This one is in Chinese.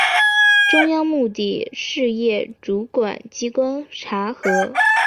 中央目的事业主管机关查核